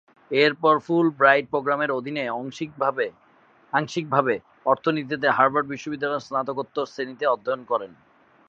এরপর ফুলব্রাইট প্রোগ্রামের অধীনে আংশিকভাবে অর্থনীতিতে হার্ভার্ড বিশ্ববিদ্যালয়ে স্নাতকোত্তর শ্রেণীতে অধ্যয়ন করেন।